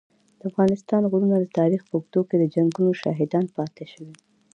د افغانستان غرونه د تاریخ په اوږدو کي د جنګونو شاهدان پاته سوي.